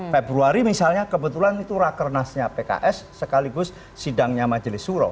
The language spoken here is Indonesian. februari misalnya kebetulan itu rakernasnya pks sekaligus sidangnya majelis suro